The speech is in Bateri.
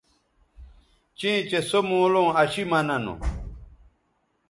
چیئں چہء سو مولوں اشی مہ ننوں